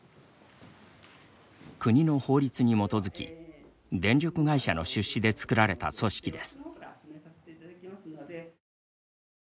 国の法律に基づき、電力会社の出資で作られた組織です。